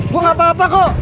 gua gak apa apa kok